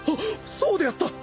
そうであった。